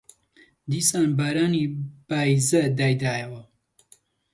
دیسان بارانی پاییزە دایدایەوە